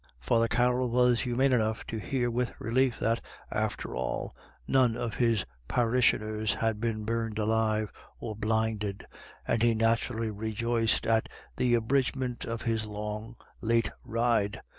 " Father Carroll was humane enough to hear with relief that, after all, none of his parishioners had been burnt alive or blinded, and he naturally re joiced at the abridgment of his long late ride.